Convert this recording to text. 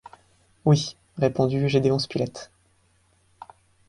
Oui, répondit Gédéon Spilett